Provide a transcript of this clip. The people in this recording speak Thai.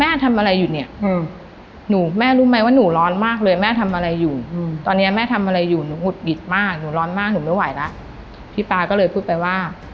อะไรอยู่หนูอุดหยิดมากหนูร้อนมากหนูไม่ไหวละพี่ปลาก็เลยพูดไปว่า